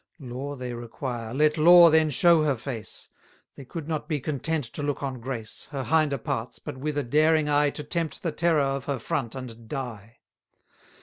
Law they require, let law then show her face; They could not be content to look on grace, Her hinder parts, but with a daring eye To tempt the terror of her front and die.